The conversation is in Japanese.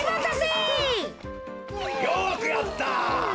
よくやった！